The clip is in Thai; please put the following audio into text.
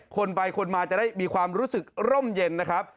คนไปคนมาจะได้มีความรู้สึกร่มเย็นนะครับ